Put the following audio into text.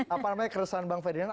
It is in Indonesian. apa namanya keresahan bang ferdinand